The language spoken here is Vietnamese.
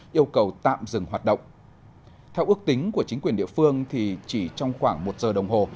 yêu cầu tạm dừng hoạt động theo ước tính của chính quyền địa phương thì chỉ trong khoảng một giờ đồng hồ